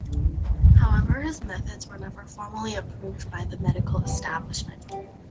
However, his methods were never formally approved by the medical establishment.